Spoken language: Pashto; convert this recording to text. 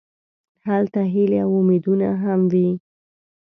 هلته هیلې او امیدونه هم وي.